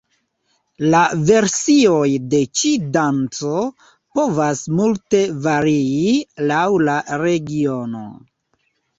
La versioj de ĉi danco povas multe varii laŭ la regiono.